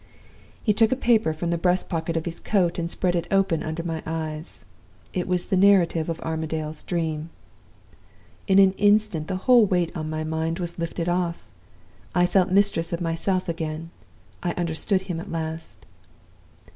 "He took a paper from the breast pocket of his coat, and spread it open under my eyes. It was the Narrative of Armadale's Dream. "In an instant the whole weight on my mind was lifted off it. I felt mistress of myself again I understood him at last.